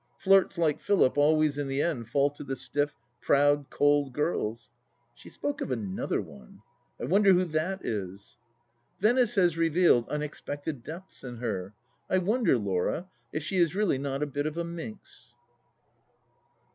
Flirts like Philip always in the end fall to the stiff, proud, cold girls. She spoke of another one — I wonder who that is ? Venice has revealed unexpected depths in her. I wonder, Laura, if she is really not a bit of a minx